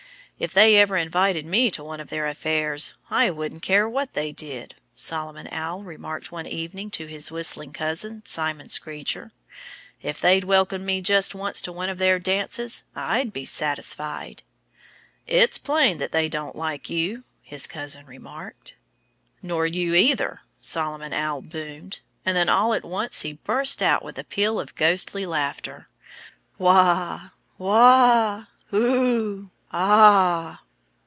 "If they ever invited me to one of their affairs I wouldn't care what they did," Solomon Owl remarked one evening to his whistling cousin, Simon Screecher. "If they'd welcome me just once to one of their dances I'd be satisfied." "It's plain that they don't like you," his cousin remarked. "Nor you, either!" Solomon Owl boomed. And then all at once he burst forth with a peal of ghostly laughter. _"Wha, wha, whoo ah!